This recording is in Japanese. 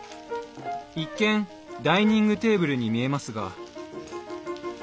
一見ダイニングテーブルに見えますが。